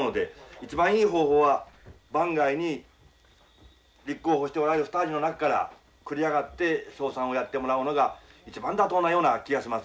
一番いい方法は番外に立候補しておられる２人の中から繰り上がって正三をやってもらうのが一番妥当なような気がしますが。